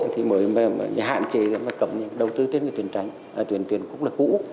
thì mới hạn chế mới cầm những đầu tư trên cái tuyển tránh tuyển quốc lực cũ